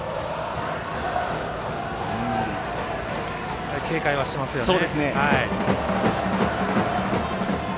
やっぱり警戒はしてますよね。